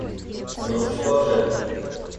Ну что же?